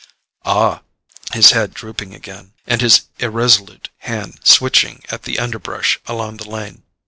"Ah——" he murmured, his head drooping again, and his irresolute hand switching at the underbrush along the lane.